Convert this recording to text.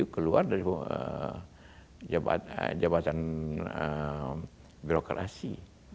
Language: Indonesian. keluar dari jabatan birokrasi